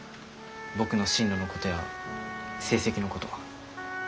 僕の進路のことや成績のこと。